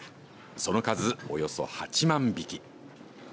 その数およそ８万匹。